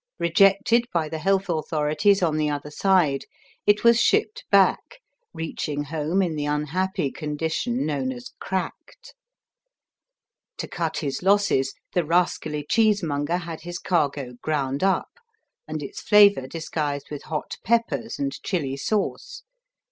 Rejected by the health authorities on the other side, it was shipped back, reaching home in the unhappy condition known as "cracked." To cut his losses the rascally cheesemonger had his cargo ground up and its flavor disguised with hot peppers and chili sauce.